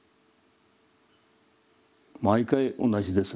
「毎回同じですね。